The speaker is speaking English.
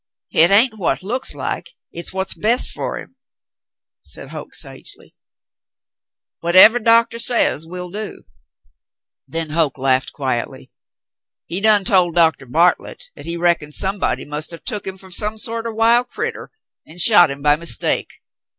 "Hit hain't what looks like, hit's what's best fer him,'* said Hoke, sagely. "Whatevah doctah says, we'll do." Then Hoke laughed quietly. "He done tol' Doctor Bartlett 'at he reckoned somebody mus' 'a' took him fer some sorter wild creetur an' shot him by mistake.